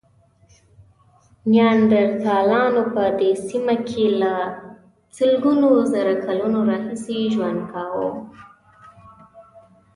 نیاندرتالانو په دې سیمه کې له سلګونو زره کلونو راهیسې ژوند کاوه.